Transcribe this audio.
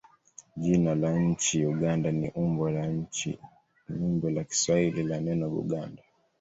Jina la nchi Uganda ni umbo la Kiswahili la neno Buganda.